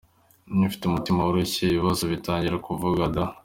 Iyo ufite umutima woroshye ibibazo bitangira kuvuka da!.